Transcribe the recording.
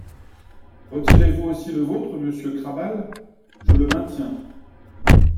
Retirez-vous aussi le vôtre, monsieur Krabal ? Je le maintiens.